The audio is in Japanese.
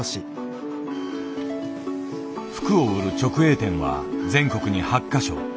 服を売る直営店は全国に８か所。